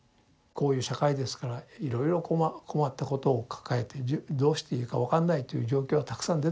こういう社会ですからいろいろ困ったことを抱えてどうしていいか分かんないという状況はたくさん出てくるでしょう。